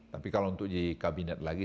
tapi kalau untuk di kabinet lagi